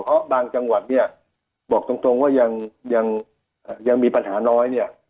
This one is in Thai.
เพราะบางจังหวัดเนี่ยบอกตรงว่ายังมีปัญหาน้อยเนี่ย